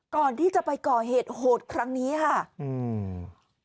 ก่อนที่จะไปก่อเหตุโหดครั้งนี้ค่ะอืม